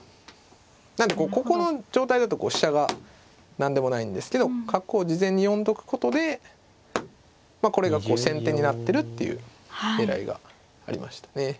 なんでここの状態だとこう飛車が何でもないんですけど角を事前に呼んどくことでこれがこう先手になってるっていう狙いがありましたね。